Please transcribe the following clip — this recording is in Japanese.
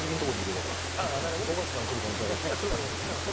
尾形さん来る可能性あるでしょ。